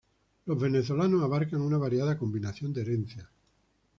Los venezolanos abarcan una variada combinación de herencias.